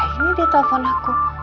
ngapain nih dia telfon aku